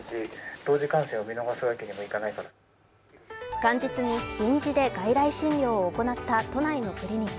元日に臨時で外来診療を行った都内のクリニック。